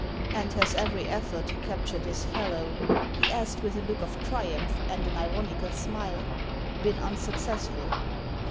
" And has every effort to capture this fellow," he asked with a look of triumph and an ironical smile, "been un successful